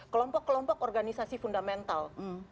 kelompok kelompok organisasi fundamental